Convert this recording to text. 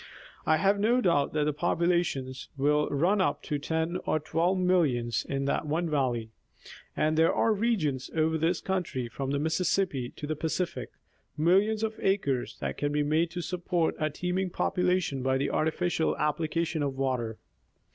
I have no doubt that the population will run up to ten or twelve millions in that one valley, and there are regions over this country from the Mississippi to the Pacific, millions of acres, that can be made to support a teeming population by the artificial application of water.